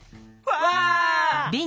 わあ！